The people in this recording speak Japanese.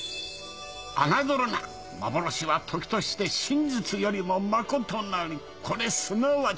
あなどるな幻は時として真実よりもまことなりこれすなわち。